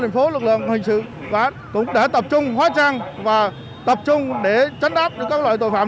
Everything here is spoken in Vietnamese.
thành phố lực lượng hình sự cũng đã tập trung hóa trang và tập trung để tránh áp các loại tội phạm